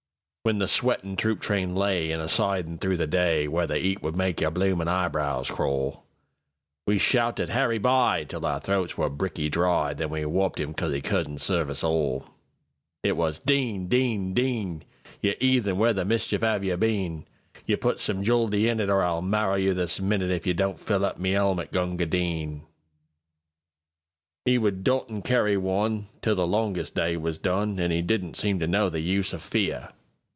When the sweatin' troop train layIn a sidin' through the day, Where the 'eat would make your bloomin' eyebrows crawl, We shouted "Harry By!"Till our throats were bricky dry, Then we wopped 'im 'cause 'e couldn't serve us all.It was "Din! Din! Din! You 'eathen, where the mischief 'ave you been? You put some juldee in it, Or I'll marrow you this minute, If you don't fill up my helmet, Gunga Din!"'E would dot an' carry oneTill the longest day was done, An' 'e didn't seem to know the use o' fear.